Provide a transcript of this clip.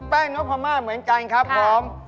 แป้งนกพรหมาสาวเหมือนกันครับผม